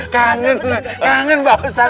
kangen kangen bapak ustadz kakek